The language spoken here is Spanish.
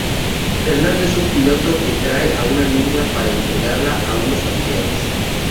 Fernando es un piloto que trae a una niña para entregarla a unos familiares.